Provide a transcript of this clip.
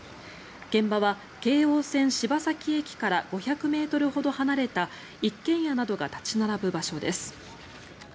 現場は京王線柴崎駅から５００ｍほど離れた一軒家などが立ち並ぶ場所です。